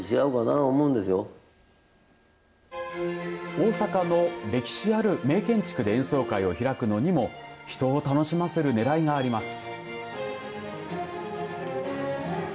大阪の歴史ある名建築で演奏会を開くのにも人を楽しませるねらいがあります。